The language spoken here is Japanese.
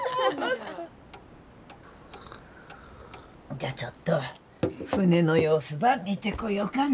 じゃあちょっと船の様子ば見てこようかね。